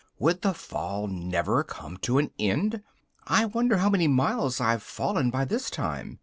Would the fall never come to an end? "I wonder how many miles I've fallen by this time?"